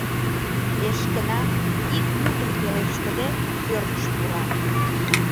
Эшкына, ик мутым пелештыде, пӧртыш пура.